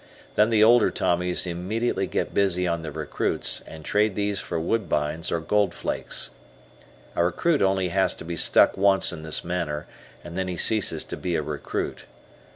Then the older Tommies immediately get busy on the recruits, and trade these for Woodbines or Goldflakes. A recruit only has to be stuck once in this manner, and then he ceases to be a recruit.